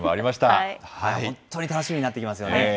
本当に楽しみになってきますよね。